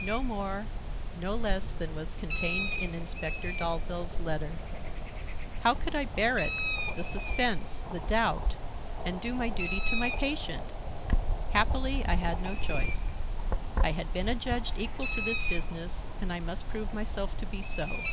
No more, no less than was contained in Inspector Dalzell's letter. How could I bear it,—the suspense, the doubt,—and do my duty to my patient! Happily, I had no choice. I had been adjudged equal to this business and I must prove myself to be so.